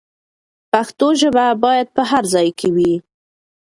پښتو ژبه باید په هر ځای کې وي.